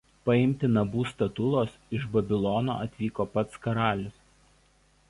Paimti Nabu statulos iš Babilono atvykdavo pats karalius.